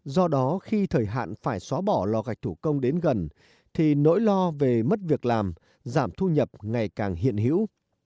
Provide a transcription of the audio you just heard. do đó khi thời hạn phải xóa bỏ lò gạch thủ công đến gần thì nỗi lo về mất việc làm giảm thu nhập ngày càng hiện hữu